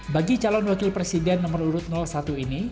bagi calon wakil presiden nomor urut satu ini